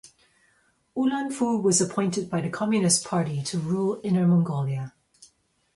Ulanfu was appointed by the Communist Party to rule Inner Mongolia.